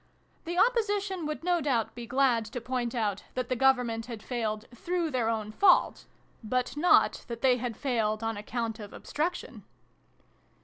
"The Opposition would no doubt be glad to point out that the Government had failed through their own fault ; but not that they had failed on account of Obstruction